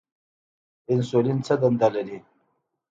انسولین څه دنده لري؟